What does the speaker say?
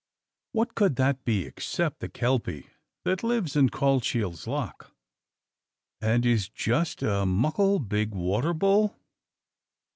What could that be except the kelpie that lives in Cauldshiels Loch, and is just a muckle big water bull?